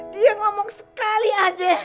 dia ngomong sekali aja